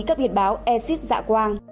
các biệt báo exit dạ quang